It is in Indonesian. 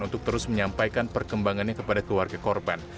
untuk terus menyampaikan perkembangannya kepada keluarga korban